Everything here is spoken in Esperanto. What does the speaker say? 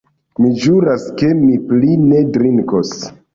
Mi ĵuras, ke mi pli ne drinkos.